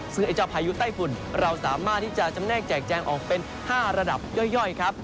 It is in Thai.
ซึ่งพายุใต้ฝุ่นเราสามารถแจกแจงออกเป็น๕ระดับย่อยครับ